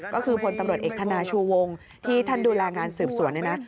ก็คือพลตำรวจเอกทานาชูวงที่ทันดุลาการสืบสวนนะ